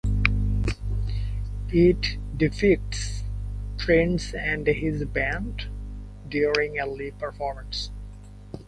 It depicts Prince and his band during a live performance.